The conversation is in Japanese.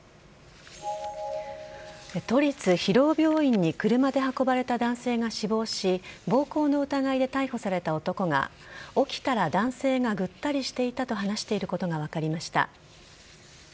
都立広尾病院に車で運ばれた男性が死亡し暴行の疑いで逮捕された男が起きたら男性がぐったりしていたと話していることが分かりました。